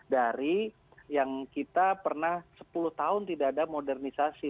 dari yang kita pernah sepuluh tahun tidak ada modernisasi